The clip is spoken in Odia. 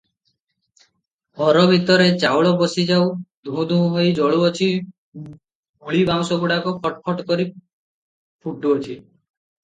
ଘର ଭିତରେ ଚାଳ ବସିଯାଇ ଧୂ ଧୂ ହୋଇ ଜଳୁଅଛି ମୂଳିବାଉଁଶଗୁଡ଼ାକ ଫଟ୍ ଫଟ୍ କରି ଫୁଟୁଅଛି ।